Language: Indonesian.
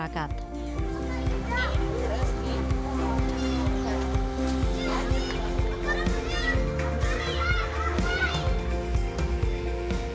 dan juga penyelamatkan masyarakat